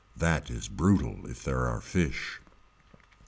That is brutal if there are fish.